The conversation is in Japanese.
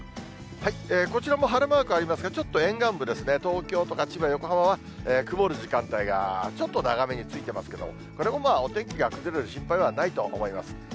こちらも晴れマークありますが、ちょっと沿岸部ですね、東京とか千葉、横浜は曇る時間帯が、ちょっと長めについてますけれども、これもまあ、お天気が崩れる心配はないと思います。